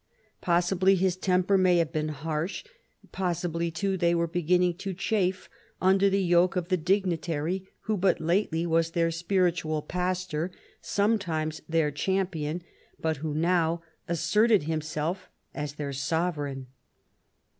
Possibly his temper may have been harsh : possibly too they were beginning to chafe under the yoke of the dignitary who but lately was their spiritual pastor, sometimes their champion, but who now asserted himself as their sovereign.